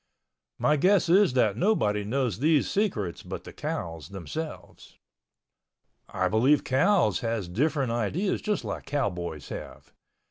My guess is that nobody knows these secrets but the cows themselves. I believe cows has different ideas just like cowboys have.